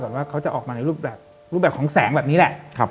ว่าเขาจะออกมาในรูปแบบรูปแบบของแสงแบบนี้แหละ